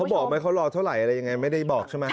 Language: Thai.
บอกไหมเขารอเท่าไหร่อะไรยังไงไม่ได้บอกใช่ไหม